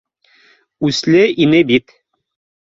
Үсле ине бит